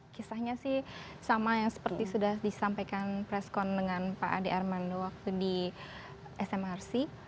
kisahnya sih sama yang seperti sudah disampaikan preskon dengan pak ade armando waktu di smrc